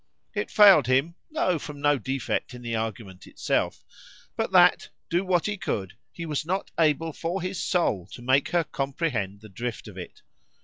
——It failed him, tho' from no defect in the argument itself; but that, do what he could, he was not able for his soul to make her comprehend the drift of it.